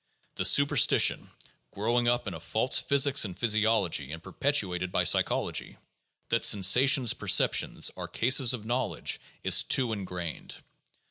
The supersti tion, growing up in a false physics and physiology and perpetuated by psychology, that sensations perceptions are cases of knowledge, is too ingrained.